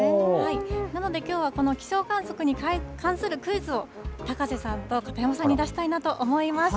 なのできょうはこの気象観測に関するクイズを高瀬さんと片山さんに出したいなと思います。